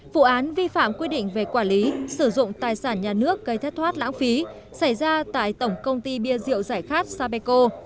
vụ án vi phạm quy định về quản lý sử dụng tài sản nhà nước gây thất thoát lãng phí xảy ra tại tổng công ty bia rượu giải khát sapeco